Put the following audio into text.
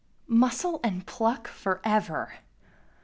4 Muscle and pluck forever!